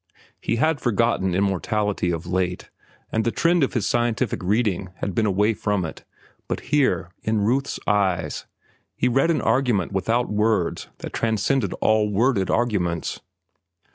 He had forgotten immortality of late, and the trend of his scientific reading had been away from it; but here, in Ruth's eyes, he read an argument without words that transcended all worded arguments.